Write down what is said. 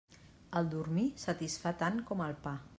El dormir satisfà tant com el pa.